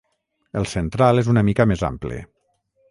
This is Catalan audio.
El central és una mica més ample.